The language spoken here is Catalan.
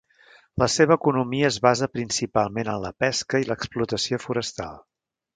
La seva economia es basa principalment en la pesca i l'explotació forestal.